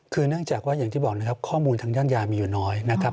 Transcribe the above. คือเนื่องจากว่าอย่างที่บอกนะครับข้อมูลทางด้านยามีอยู่น้อยนะครับ